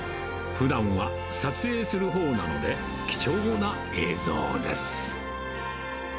ふだんは撮影するほうなので、貴重な映像です。